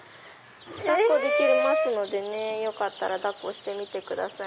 抱っこできますのでよかったら抱っこしてみてください。